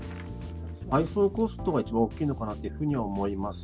配送コストが一番大きいのかなというふうには思います。